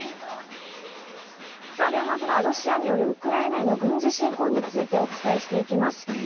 まずはロシアによるウクライナへの軍事侵攻についてお伝えしていきます。